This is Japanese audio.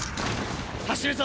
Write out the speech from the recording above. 走るぞ！